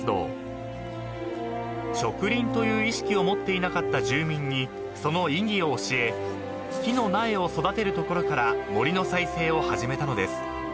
［植林という意識を持っていなかった住民にその意義を教え木の苗を育てるところから森の再生を始めたのです］